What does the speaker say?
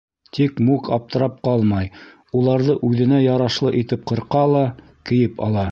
Тик Мук аптырап ҡалмай, уларҙы үҙенә ярашлы итеп ҡырҡа ла кейеп ала.